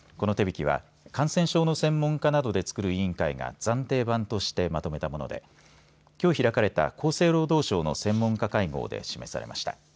この手引きは感染症の専門家などでつくる委員会が暫定版として、まとめたものできょう、開かれた厚生労働省の専門家会合で示されました。